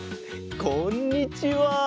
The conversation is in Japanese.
こんにちは。